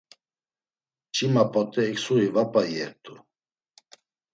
Mç̌ima p̌ot̆e eksuği va p̌a iyert̆u.